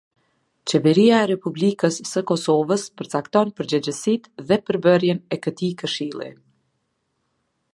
Qeveria e Republikës së Kosovës përcakton përgjegjësitë dhe përbërjen e këtij Këshilli.